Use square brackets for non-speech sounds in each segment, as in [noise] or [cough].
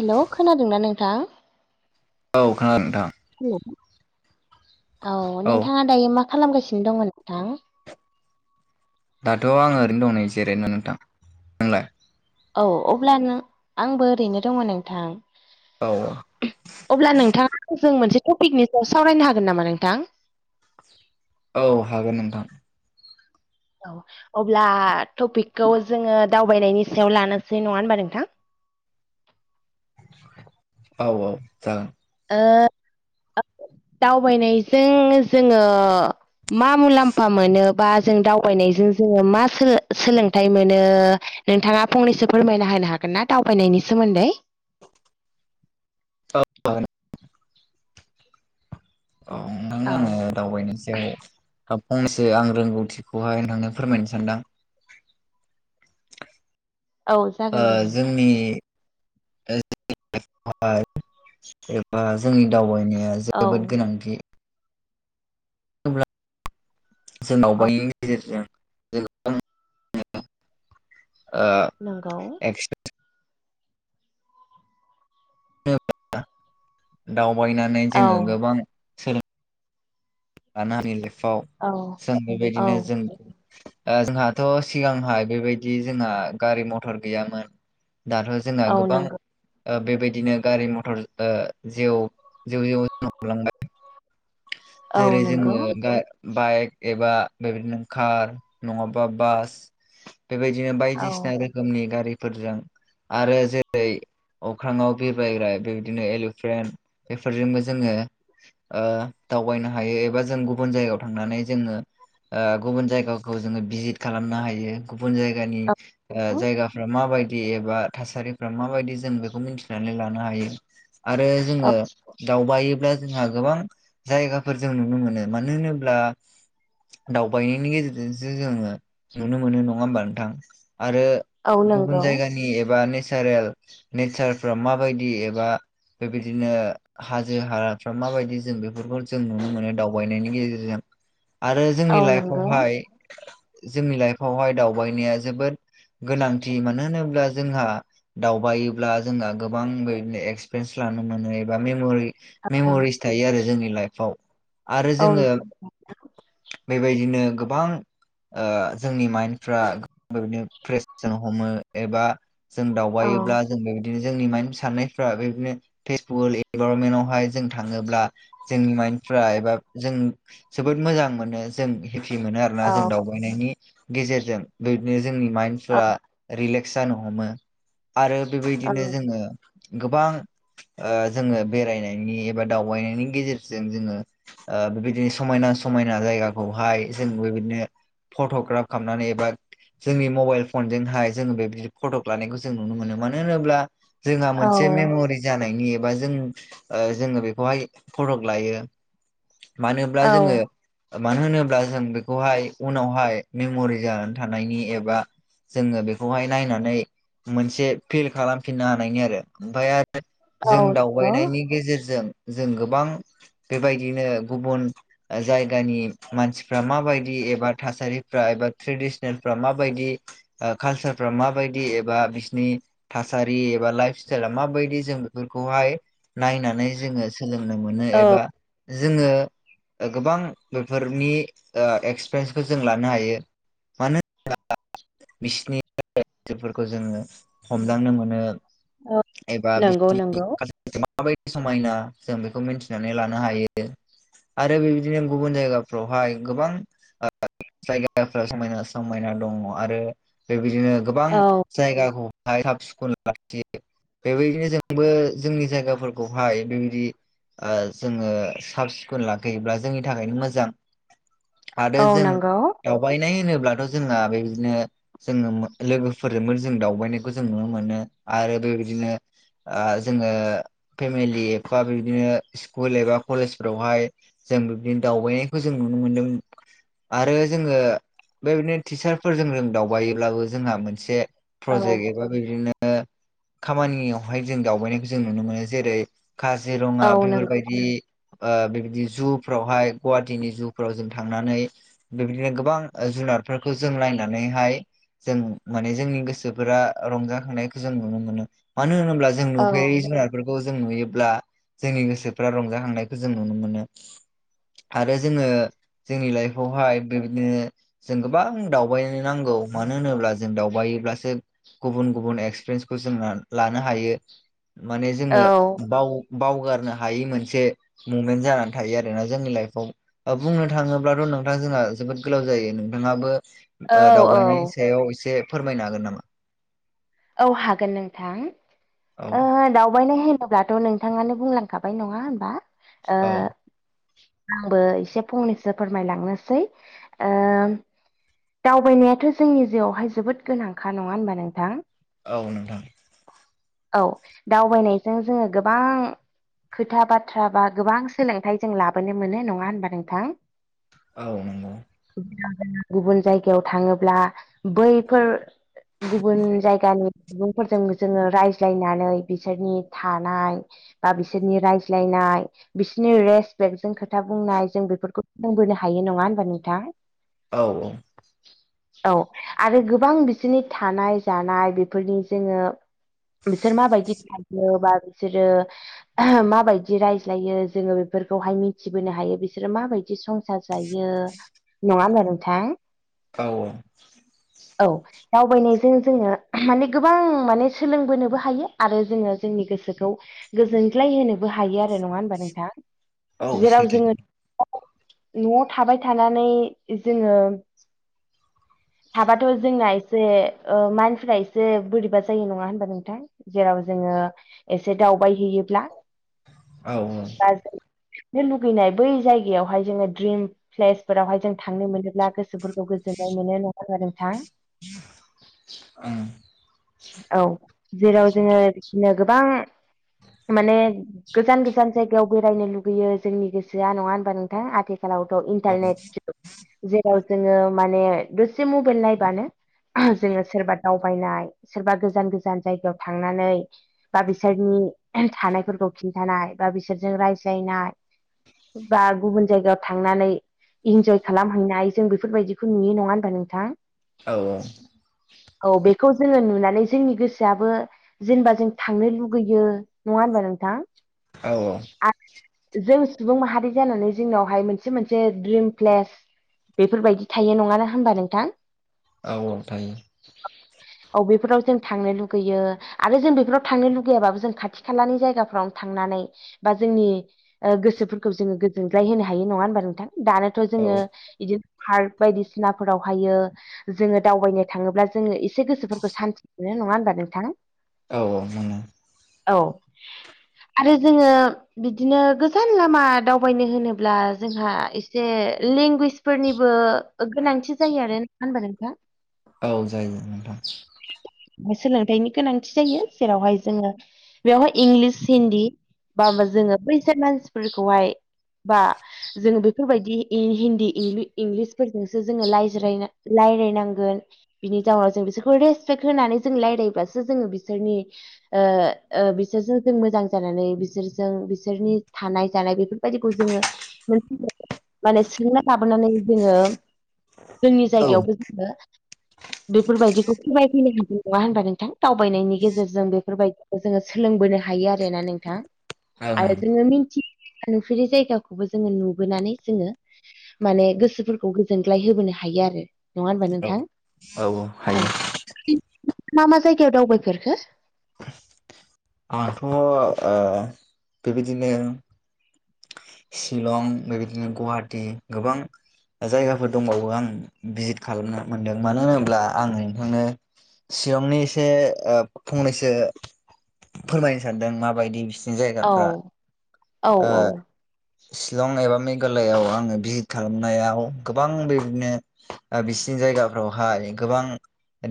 Hello खोनादोंना नोंथां? औ खोनादों नोंथां। हेल' औ नोंथाङा दायो मा खालामगासिनो दंमोन नोंथां? दाथ' आं ओरैनो दं नै जिरायना नोंथां। नोंलाय औ अब्ला नों आंबो ओरैनो दं नोंथां। औ औ। अब्ला नोंथाङा आंजों मोनसे टपिकनि सायाव सावरायनो हागोन नामा नोंथां? औ हागोन नोंथां। औ अब्ला टपिकखौ जोङो दावबायनायनि सायाव लानोसै नङा होनबा नोंथां। औ औ जागोन। ओ दावबायनायजों जोङो। मा मुलाम्फा मोनो बा जों दावबायनायजों जोङो मा सोलोसोलोंथाइ मोनो। नोंथाङा फंनैसो फोरमायना होनो हागोन ना। दावबायनायनि सोमोन्दै? [inaudible] [inaudible] औ औ नोंथांनो आङो। दावबायनायनि सायाव दा फंनैसो आं रोंगौथिखौहाय नोंनो फोरमायनो सानदों। औ ओ जागोन दे नोंथां जोंनि हाय एबा जोंनि दावबायनाया औ जोबोद गोनांथि। होमब्ला जोंनाव औ बैनि गेजेरजों। जों गोबां ओ नोंगौ। एक्सट्रा। दावबायनानै जोङो औ गोबां। सोलोंनो लानो आंनि लाइफआव औ जों औ बेबायदिनो जों। ओ जोंहाथ' सिगांहाय बेबायदि जोंहा गारि मथर गैयामोन दाथ' जोंना औ गोबां नंगौ ओ बेबायदिनो गारि मथर ओ जेव जेव जेव जानो हमलांबाय। औ जेरै नंगौ जोङो गा बाइक एबा बेबायदिनो कार नङाबा बास। बेबायदिनो औ बायदिसिना रोखोमनि गारिफोरजों आरो जेरै- अख्राङाव बिबायग्रााय बेबायदिनो एल'र्फेन्ट बेफोरजोंबो जोङो। ओ दावबायनो हायो। एबा जों गुबुन जायगायाव थांनानै जोङो। ओ गुबुन जायगाखौ जोङो भिजित खालामनो हायो गुबुन जायगानि। औ ओ जायगाफ्रा माबायदि एबा थासारि रा माबायदि जों बेखौ मिथिनानै लानो हायो। आरो जोङो। दावबायोब्ला जोंहा गोबां जायगाफोर जों नुनो मोनो। मानो होनोब्ला दावबायनायनि गेजेरजोंसो जोङो नुनो मोनो नङा होमबा नोंथां। आरो औ गुबुन नंगौ जायगानि एबा नेचारेल नेचारफ्रा माबायदि एबा। बेबायदिनो हाजो हाराफ्रा माबायदि जों बेफो रखौ जों नुनो मोनो। दावबायनायनि गेजेरजों आरो औ जोंनि नंगौ लाइफआवहाय जोंनि लाइफआवहाय दावबायनाया जोबोद गोनांथि। मानो होनोब्ला जोंहा। दावबायोब्ला जोंना गोबां बेनो एक्सपिरिेन्स लानो मोनो। एबा मेम'रि औ मेमरिस थायो आरो जोंनि लाइफआव आरो औ जोङो। बेबायदिनो गोबां। ओ जोंनि माइन्डफ्रा गो बेदिनो फ्रेसजों हमो। एबा जों औ दावबायोब्ला जों बेबायदिनो जोंनि माइन साननायफ्रा बेबायदिनो फेसफुल इनभारनमेन्ट आवहाय जों थाङोब्ला। जोंनि माइन्दफ्रा एबा जों जोबोद मोजां मोनो। जों हेपि मोनो आरोना। जों दाउ बायहैनायनि गेजेरजों बिबायदिनो जोंनि माइनफोरा रिलेक्स जानो हमो। आरो औ बेबायदिनो जोङो। गोबां ओ जोङो बेरायनायनि एबा दावबायनायनि गेजेरजों। जों जोङो ओ बेबायदिनो समायना समायना जायगाखौहाय जों बेबायदिनो। फट'ग्राफ खालामनानै। एबा जोंनि मबाइल फनजोंहाय जोङो बेबायदि फट' लानायखौ जों नुनो मोनो मानो होनोब्ला जोंहा औ मोनसे मेमरि जानायनि एबा जों ओ जोङो बेखौहाय फटक' लायो मानोब्ला जोङो मानो होनोब्ला जों बेखौहाय उनावहाय मेमरि जानानै थानायनि एबा जोङो बेखौहाय नायनानै मोनसे फिल खालामफिननो हानायनि आरो ओमफ्राय आरो जों औ नंगौ दावबायनायनि गेजेरजों जों गोबां गोबां बेबायदिनो गुबुन जायगानि मानसिफ्रा माबायदि एबा थासारिफ्रा एबा ट्रेडिसनेलफ्रा माबायदि कालसारफ्रा माबायदि एबा बिसिनि थासारि एबा लाइफ स्टाइला माबायदि जों बेफोरखौहाय नायनानै जोङो सोलों नो मोनो औ एबा जोङो गोबां बेफोरनि एक्सपिरियेन्सखौ जों लानो हायो। मानो होनोबा बिसिनि रायजोफोरखौ जोङो हमदांनो मोनो। औ एबा बि नंगौ नंगौ माबाबायदि समायना जों बेखौ मिथिनानै लानो हायो आरो बेबायदिनो गुबुन जायगाफ्रावहाय गोबां ओ जायगाफोरा समायना समायना दङ आरो बेबायदिनो गोबां औ जायगा खौहाय साबसिखन लाखियो। बेबायदिनो जोंबो जोंनि जायगाफोरखौहाय बेबायदि ओ जोङो साब सिखोन लाखैयोब्ला जोंनि थाखायनो मोजां। आरो औ जों नंगौ दावबायनाय होनोब्लाथ' जोंहा बेदिनो जोङो लोगोफोरजोंबो जों दावबायनायखौ जों नुनो मोनो आरो बेबायदिनो ओ जोङो फेमिलि एफा बिदिनो स्कुल एबा कलेजफोरावहाय जों बिब्दिनो दावबायनायखौ जों नुनो मोनदों आरो जोङो बेबायदिनो टिचारफोरजों जों दावबायोब्लाबो जोंहा मोनसे औ प्रजेक्ट एबा बिदिनो खामानियावहाय जों दावबायनायखौ जों नुनो मोनो जेरै जिरङा औ नों बेफोरबायदि ओ बेबायदि जुफ्रावहाय गुवाहाटिनि जुफ्राव जों थांनानै बेबायदिनो गोबां ओ जुनारफोरखौ जों नायनानैहाय जों माने जोंनि गोसोफोरा रंजाखांनायखौ जों नुनो मोनो। मानो होनोब्ला जों जों औ नुफेरयै जुनारफोरखौ जों नुयोब्ला जोंनि गोसोफ्रा रंजाखांनायखौ जों नुनो मोनो आरो जोङो जोंनि लाइफआवहाय बेबायदिनो जों गोबां दावबायनो नांगौ मानो होनोब्ला जों दावबायोब्लासो गुबुन गुबुन एक्सपिरियेन्सखौ जों लानो हायो माने जोङो बाव बावगारनो हायि मोनसे मुमेन्ट जानानै थायो आरोना जोंनि लाइफआव बुंनो थाङोब्लाथ' नोंथां जोंहा जोबोद गोलाव जायो नोंथाङाबो औ ओ औ दावबायनायनि सायाव एसे फोरमायनो हागोन नामा? औ हागोन नोंथां औ ओ दावबायनाय होनोब्ला थ' नोंथाङनो बुंलांखाबाय नङा होनबा ओ औ आंबो एसे फंनैसो फोरमायलांनोसै ओम दावबायनायाथ' जोंनि जिउआवहाय जोबोद गोनांखा नङा होनबा नोंथां? औ नोंथां। औ दावबायनायजों जोङो गोबां खोथा बाथ्रा बा गोबां सोलोंथाइ जों लाबोनो मोनो नङा होनबा नोंथां? औ नंगौ। ज गुबुन जायगायाव थाङोब्ला बैफोर गुबुन जायगानि सुबुंफोरजों जोङो रायज रायज्लायनानै बिसोरनि थानाय बा बिसोरनि रायज्लायनाय बिसोरनि रेसपेक्ट जों खोथा बुंनाय जों बेफोरखौ सोलोंबोनो हायो नङा हबा नोंथां? औ औ औ आरो गोबां बिसोरनि थानाय जानाय बेफोरनि जोङो बिसोर माबायदि थायो बा बिसोरो [unintelligible] माबायदि रायज्लायो जोङो बेफोरखौहाय मिथिबोनो हायो बिसोरो माबाय दि संसार जायो नङा होनबा नोंथां? औ औ औ दावबायनायजों जोङो माने गोबां माने सोलोंबोनोबो हायो आरो जोङो जोंनि गोसोखौ गोजोनग्लाय होनोबो हायो आरो नङा होनबा नोंथां? औ जेराव सैथो जोङो न'आव थाबाय थानानै जोङो थाबाथ' जोंना एसे ओ माइनफोरा एसे बोरैबा जायो नङा होनबा नोंथां? जेराव जोङो एसे दावबायहैयोब्ला औ औ आ [inaudible] लुुबैनाय बै जायगायावहाय जोङो द्रिम प्लेस फोरावहाय जों थांनो मोनोब्ला गो सोफोरखौ गोजोननाय मोनो नङा होनबा नोंथां? ओं औ जेराव जोङो बिदिनो गोबां माने गोजान गोजान जायगायाव बेरायनो लुगैयो जोंनि गोसोआ नङा होनबा नोंथां? [unintelligible] खालावथ' औ इन्टारनेट जुग जेराव जोङो माने दसे मबाइल नायबानो [unintelligible] जोङो सोरबा दावबायनाय सोरबा गोजान गोजान जायगायाव थांनानै बा बिसोरनि थानायफोरखौ खिन्थानाय बा बिसोरजों रायज्लायनाय बा गुबुन जायगायाव थांनानै इन्जय खालामहैनाय जों बेफोरबायदिखौ नुयो नङा होमबा नोंथां? औ औ औ बेखौ जोङो नुनानै जोंनि गोसोआबो जेनेबा जों थांनो लुगैयो नङा होनबा नोंथां? औ औ [unintelligible] जों सुबुं माहारि जानानै जोंनावहाय मोनसे मोनसे द्रिम प्लेस बेफोरबायदि थायो नङा होनबा नोंथां? औ औ थायो। औ बेेफोराव जों थांनो लुगैयो। आरो जों बेफोराव थांनो लुगैयाबाबो जों खाथि खालानि जायगाफ्रावनो थांनानै बा जोंनि ओ गोसोफोरखौ जोङो गोजोनग्लाय होनो हायो नङा होमबा नोंथां दानोथ' औ जोङो इदि पार्क बायदिसिना फोरावहायो जोङो दावबायनो थाङोब्ला जोङो एसे गोसोफोरखौ सान्थि मोनो नङा होनबा नोंथां? औ औ मोनो। औ आरो जोङो बिदिनो गोजान लामा दावबायनो होनोब्ला जोंहा एसे लेंगुवेजफोरनिबो ओ गोनांथि जायो आरो नङा होनबा नोंथां? औ जायो नोंथां। [unintelligible] सोलोंथायनि गोनांथि जायो जेरावहाय जोङो बेवहाय इंलिस हिन्दी बा जोङो [unintelligible] [unintelligible] मानसिफोरखौहाय बा जोङो बेफोरबायदि हिन्दी इंलिस-इंलिसफोरजोंसो जोङो रायज्राय रायलायनांगोन। बिनि जाउनाव जों बिसोरखौ रेसपेक्ट होनानै जों रायज्लायोब्लासो जोङो बिसोरनि ओ ओ बिसोरजों जों मोजां जानानै बिसोरजों बिसोरनि थानाय जानाय बेफोर बायदिखौ जोङो मोन [unintelligible] माने सोलोंना लाबोनानै जोङो जोंनि औ ओं जायगायावबो [unintelligible] बेफोरबायदिखौ फोरमायफैनो हागोन नङा होनबा नोंथां? दावबायनायनि गेजेरजों बेफोरबायदिखौ जोङो सोलोंबोनो हायो आरोना नोंथां ओं आरो जोङो मिथि नुफेरै जायगाखौबो जोङो नुबोनानै जोङो माने गोसोफोरखौ गोजोनग्लाय होबोनो हायो आरो नङा होनोमबा औ नोंथां औ हायो औ मा मा जायगायाव दावबायफेरखो आंथ' ओ बेबादिनो शिलं बेबादिनो गुवाहाटि गोबां जायगाफोर दंबावो आं भिजिट खालामन मोनदों मानो होनोब्ला आं नोंथांनो सिरंनि एसे ओ फंनैसो फोरमायनो सानदों माबायदि बिस औ जायगाफ्रा औ ओ औ शिलं एबा मेघालआव आङो भिजिट खालामनायाव गोबां बेबादिनो ओ बिसिनि जायगाफ्रावहाय गोबां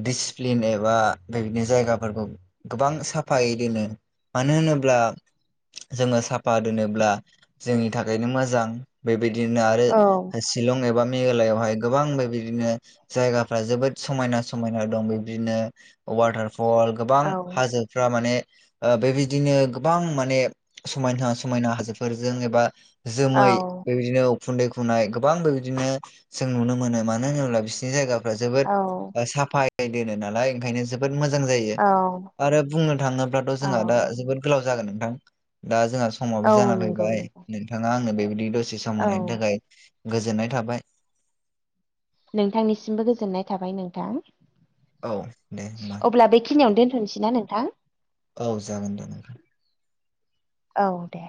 दिडसिप्लिन एबा बेबादिनो जायगाफोरखौ गोबां साफायै दोनो मानो होनोब्ला जोङो साफा दोनोब्ला जोंनि थाखायनो मोजां बेबायदिनो आरो औ शिलं एबा मेघालआवहाय गोबां बेबादिनो जायगाफ्रा जोबोद समायना समायना दं बेबदिनो वाटारफल गोबां औ हाजो फ्रा माने ओ बेबादिनो गोबां माने समायना समायना हाजोफोर जों एबा जोमै औ बे दिनो उखुन्दै खुनाय गोबांबो बिदिनो जों नुनो मोनो मानो होनोब्ला बिसिनि जायगा जोबोद औ ओ साफायै दोनो नालाय ओंखायनो जो बोद मोजां जायो आरो बुंनो थाङोब्लाथ' औ जोंहा दा जोबोद गोलाव जागोन नोंथां दा जोंहा समाबो औ जाना फैयो। नंगौ नंगौ नोंथाङा आंनो बेबायदि दसे सम औ होनायनि थाखाय गोजोननाय थाबाय। नोंथांनिसिमबो गोजोननाय थाबाय नोंथां। औ दे होमबा अब्ला बेखिनियावनो दोनथ'नोसै ना नोंथां। औ जागोन जागोन। औ दे।